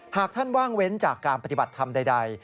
หากท่านว่างเว้นจากการปฏิบัติธรรมใด